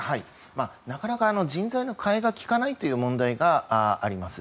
なかなか人材の替えが利かないという問題があります。